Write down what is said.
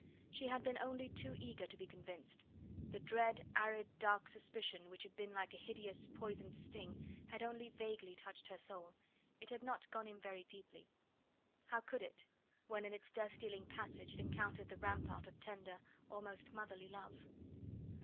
She had only been too eager to be convinced; the dread and dark suspicion which had been like a hideous poisoned sting had only vaguely touched her soul; it had not gone in very deeply. How could it, when in its death dealing passage it encountered the rampart of tender, almost motherly love?